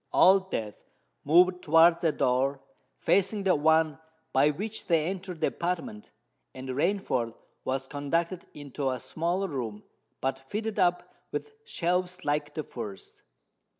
Old Death moved towards a door facing the one by which they entered the apartment; and Rainford was conducted into a smaller room, but fitted up with shelves like the first.